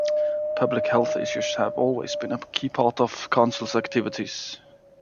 Public health issues have always been a key part of Council's activities.